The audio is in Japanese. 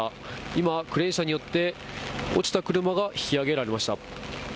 今、クレーン車によって落ちた車か引き揚げられました。